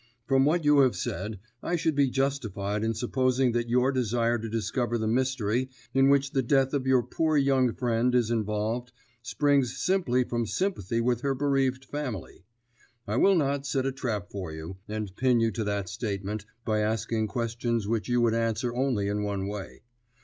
From what you have said I should be justified in supposing that your desire to discover the mystery in which the death of your poor young friend is involved springs simply from sympathy with her bereaved family. I will not set a trap for you, and pin you to that statement by asking questions which you would answer only in one way.